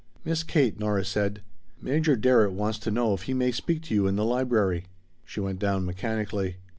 "Miss Kate," Nora said, "Major Darrett wants to know if he may speak to you in the library." She went down mechanically.